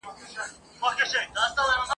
پردی کسب ..